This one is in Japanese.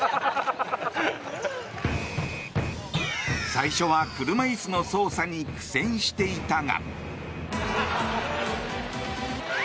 最初は車いすの操作に苦戦していたが。